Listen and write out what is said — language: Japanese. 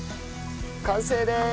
完成です！